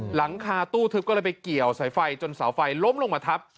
หลังคาตู้ทึบก็เลยไปเกี่ยวสายไฟจนเสาไฟล้มลงมาทับ